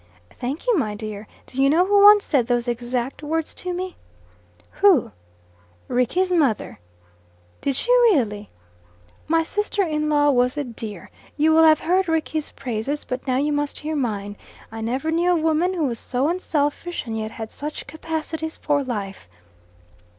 "Thank you, my dear. Do you know who once said those exact words to me?" "Who?" "Rickie's mother." "Did she really?" "My sister in law was a dear. You will have heard Rickie's praises, but now you must hear mine. I never knew a woman who was so unselfish and yet had such capacities for life."